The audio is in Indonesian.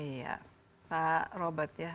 iya pak robert ya